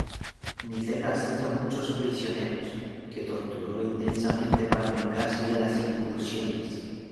Nicetas hizo muchos prisioneros, que torturó intensamente para vengarse de las incursiones.